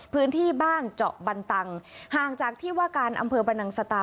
พื้นที่บ้านเจาะบันตังห่างจากที่ว่าการอำเภอบรรนังสตา